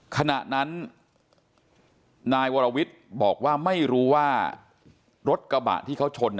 ขณะนั้นนายวรวิทย์บอกว่าไม่รู้ว่ารถกระบะที่เขาชน